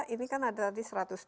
ini kan ada tadi